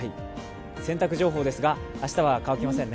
洗濯情報ですが、明日は乾きませんね。